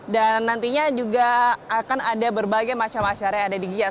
dan nantinya juga akan ada berbagai macam acara yang ada di gias